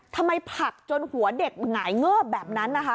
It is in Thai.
ทำไมผลักจนหัวเด็กหงายเงือบแบบนั้น